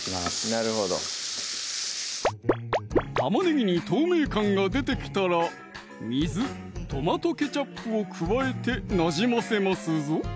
なるほど玉ねぎに透明感が出てきたら水・トマトケチャップを加えてなじませますぞ